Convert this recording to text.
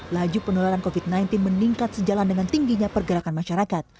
laju penularan covid sembilan belas meningkat sejalan dengan tingginya pergerakan masyarakat